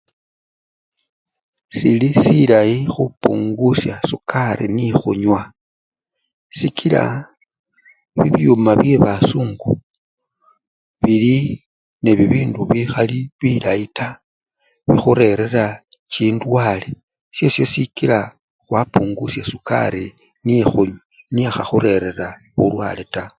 Sili silayi khupungusya sukari niyo khunywa sikila mubyuma byeba sungu bili nebibindu bikhali bilayi taa bikhurerera chindwale esyesyo sikila khwapungusya sukari niyo khunywa nio ekhakhurerera bulwale taa.